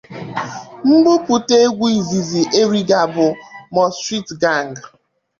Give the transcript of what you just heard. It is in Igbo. Mbupute egwu izizi Erigga bụ "Mo Street Gan".